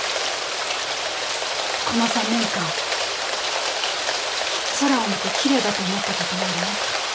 この３年間空を見て奇麗だと思ったことはありますか？